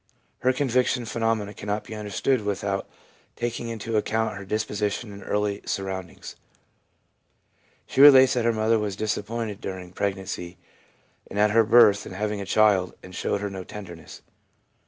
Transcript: Her conviction phenomena cannot be understood without taking into account her disposition and early surroundings. She relates that her mother was disappointed during preg nancy and at her birth in having a child, and showed her no tenderness.